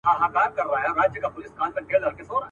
څوك به نيسي ګرېوانونه د غازيانو.